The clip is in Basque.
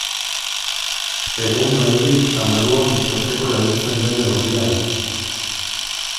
Egun oraindik ganadua pisatzeko erabiltzen den neurria da.